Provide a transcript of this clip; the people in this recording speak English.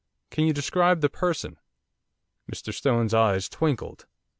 'Can you describe the person?' Mr Stone's eyes twinkled.